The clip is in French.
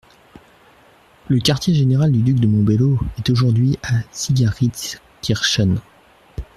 Le quartier-général du duc de Montebello est aujourd'hui à Sigarhiztzkirchen.